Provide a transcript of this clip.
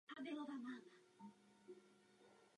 Současně jih Čchu zabral stát Jižní Chan.